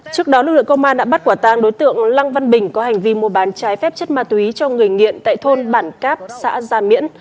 trước đó lực lượng công an đã bắt quả tang đối tượng lăng văn bình có hành vi mua bán trái phép chất ma túy cho người nghiện tại thôn bản cáp xã gia miễn